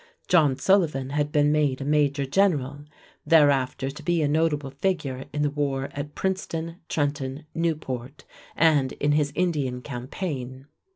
John Sullivan had been made a major general, thereafter to be a notable figure in the war at Princeton, Trenton, Newport, and in his Indian campaign.